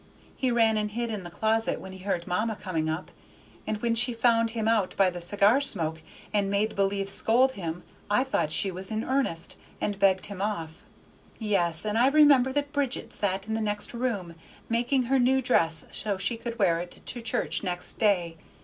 He ran and hid in the closet when we heard mamma coming up, and when she found him out by the cigar smoke, and made believe scold him, I thought she was in earnest, and begged him off. Yes; and I remember that Bridget sat in the next room, making her new dress so she could wear it to church next day.